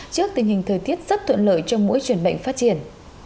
trước tình hình thời tiết rất thuận lợi trong mỗi chuyển bệnh phát triển